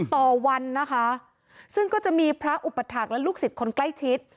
ต่อวันนะคะซึ่งก็จะมีพระอุปถักษ์และลูกศิษย์คนใกล้ชิด